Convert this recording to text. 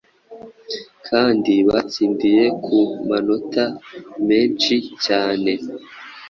kandi batsindiye ku manota menshi cyane”.